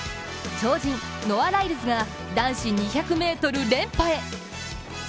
超人ノア・ライルズが男子２００ｍ連覇へ。